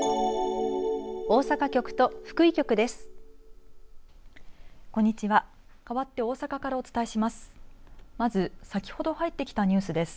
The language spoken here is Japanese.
大阪局と福井局です。